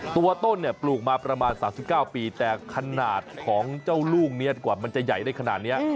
ต้นเนี่ยปลูกมาประมาณ๓๙ปีแต่ขนาดของเจ้าลูกนี้กว่ามันจะใหญ่ได้ขนาดนี้